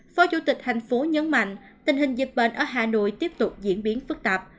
phó chủ tịch tp nhấn mạnh tình hình dịch bệnh ở hà nội tiếp tục diễn biến phức tạp